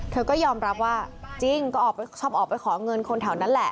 เธอก็ยอมรับว่าจริงก็ชอบออกไปขอเงินคนแถวนั้นแหละ